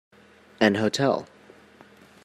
An hotel